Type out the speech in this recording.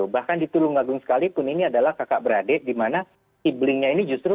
bahkan diturunkan sekalipun ini adalah kakak beradik dimana epi linknya ini justru